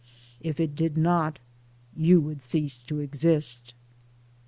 If it did not, you would cease to exist.